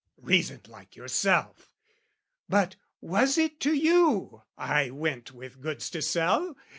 Reasoned like yourself! But was it to you I went with goods to sell?